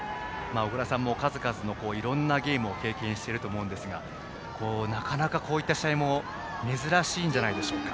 小倉さんも数々のいろんなゲームを経験していると思いますがなかなかこういった試合も珍しいんじゃないでしょうか。